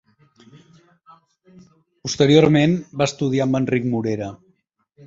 Posteriorment va estudiar amb Enric Morera.